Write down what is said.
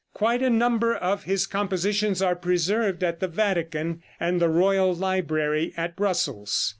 Quite a number of his compositions are preserved at the Vatican and the Royal Library at Brussels.